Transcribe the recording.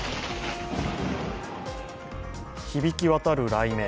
響きわたる雷鳴。